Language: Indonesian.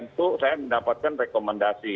untuk saya mendapatkan rekomendasi